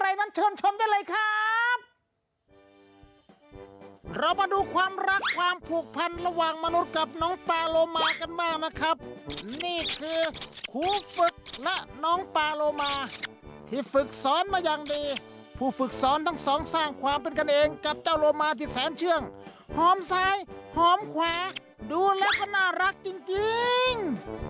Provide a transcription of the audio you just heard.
อินี่คือหูฝืดณ้องปลาโรมาที่ฝุกศรมาอย่างดีพูดฝุกศรทั้งสองสร้างความเป็นกันเองกับเจ้าโรมาที่แซนเชื่องหอมขวะดูแล้วก็น่ารักจริง